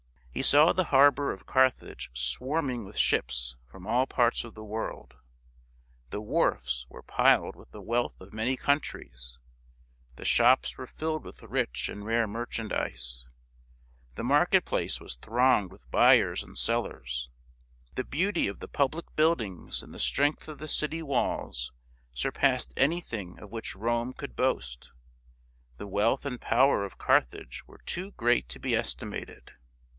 He saw the harbor of Carthage swarming with ships from all parts of the world ; the wharfs were piled with the wealth of many countries ; the shops were filled with rich and rare merchandise; the market place was thronged with buyers and sellers ; the beauty of the public buildings and the strength of the city walls surpassed anything of which Rome could boast ; the wealth and power of Carthage were too great to be estimated.